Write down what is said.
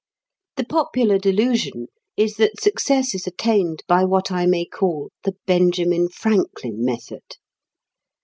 The popular delusion is that success is attained by what I may call the "Benjamin Franklin" method.